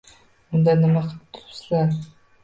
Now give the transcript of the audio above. Unda nima qilib turibsizlar?!